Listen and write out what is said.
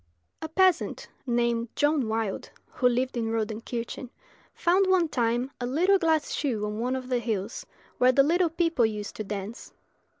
A peasant, named John Wilde, who lived in Rodenkirchen, found, one time, a little glass shoe on one of the hills, where the little people used to dance.